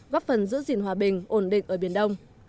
góp phần giữ gìn hòa bình ổn định ở biển đông